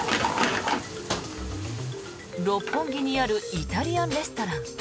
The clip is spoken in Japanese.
六本木にあるイタリアンレストラン。